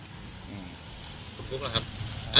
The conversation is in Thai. คุณฟุ๊กล่ะครับ